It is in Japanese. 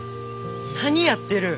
何やってる！